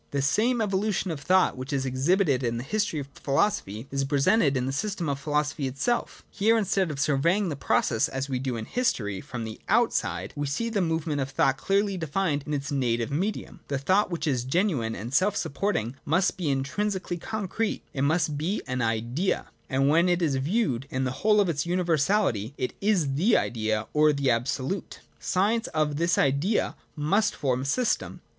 14.] The same evolution of thought which is exhibited in the history of philosophy is presented in the System of Philosophy itself. Here, instead of surveying the process, as we do in history, from the outside, we see the movement of thought clearly defined in its native 24 INTRODUCTION. [14 15 medium. The thought, which is genuine and self sup porting, must be intrinsically concrete ; it must be an Idea ; and when it is viewed in the whole of its univer sality, it is the Idea, or the Absolute. The science of this Idea must form a system.